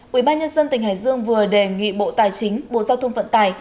quỹ ban nhân dân tỉnh hải dương vừa đề nghị bộ tài chính bộ giao thông vận tài